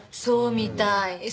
そうみたい。